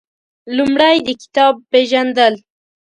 لومړی د کتاب پېژندل